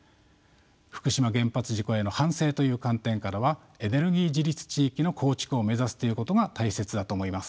福島原発事故への反省という観点からはエネルギー自立地域の構築を目指すということが大切だと思います。